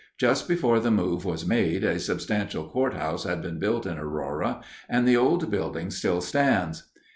Just before the move was made, a substantial courthouse had been built in Aurora, and the old building still stands.